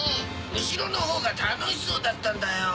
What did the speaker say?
後ろのほうが楽しそうだったんだよ。